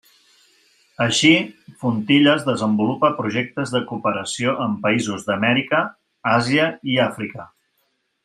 Així, Fontilles desenvolupa projectes de cooperació en països d'Amèrica, Àsia i Àfrica.